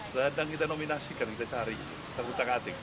sedang kita nominasikan kita cari kita kutanggatik